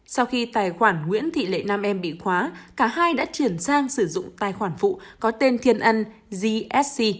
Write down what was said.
sau khi tài khoản nguyễn thị lệ nam em bị khóa cả hai đã chuyển sang sử dụng tài khoản phụ có tên thiên ân gsc